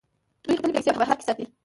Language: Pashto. دوی خپلې پیسې په بهر کې ساتي.